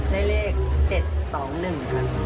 ได้เลข๗๒๑ครับ